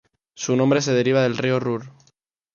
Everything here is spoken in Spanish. Su nombre se deriva del río Ruhr.